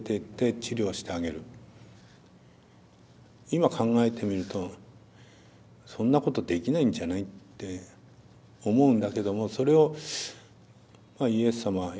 今考えてみるとそんなことできないんじゃない？って思うんだけどもそれをイエス様はやりなさいと。